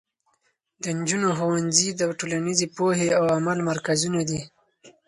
د نجونو ښوونځي د ټولنیزې پوهې او عمل مرکزونه دي.